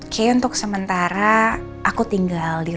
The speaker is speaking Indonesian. kayaknya untuk sementara aku tuh mau tidur